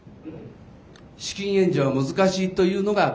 資金援助は難しいというのが現実です。